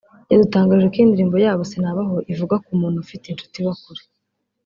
yadutangarije ko iyi ndirimbo yabo 'Sinabaho' ivuga ku muntu ufite inshuti iba kure